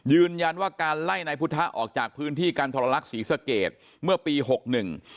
ยืนยันว่าการไล่นายพุทธะออกจากพื้นที่การทรลักษณ์ศรีสเกตเมื่อปีหกหนึ่ง